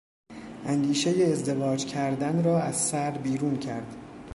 اندیشهی ازدواج کردن را از سر بیرون کرد.